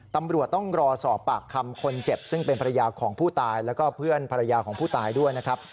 ตำรวจต้องรอสอบปากคำคนเจ็บซึ่งเป็นภรรยาของผู้ตายแล้วก็เพื่อนภรรยาของผู้ตายด้วยนะครับ